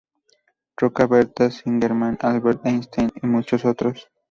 Roca, Berta Singerman, Albert Einstein, y muchos otros.